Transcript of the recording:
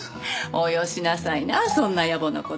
およしなさいなそんなやぼな事。